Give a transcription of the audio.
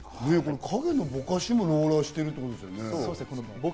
影もボカシもローラーしてるっていうことですよね。